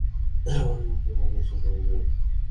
তোমার মুক্ত বাতাসের প্রয়োজন।